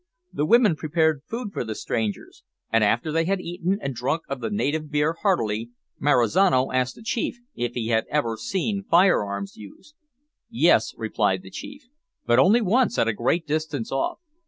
The women prepared food for the strangers; and after they had eaten and drunk of the native beer heartily, Marizano asked the chief if he had ever seen fire arms used. "Yes," replied the chief, "but only once at a great distance off.